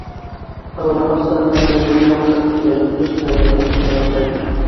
Балалар баҡсаһына йөрөгәндә ул хәлһеҙләнеп, йыш ҡына йығылып китә башлай.